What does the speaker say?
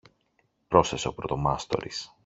πρόσθεσε ο πρωτομάστορης.